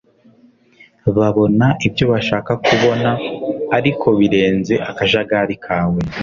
babona ibyo 'bashaka' kubona ariko birenze akajagari kawe